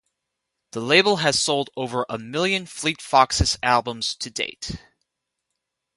The label has sold over a million Fleet Foxes albums to date.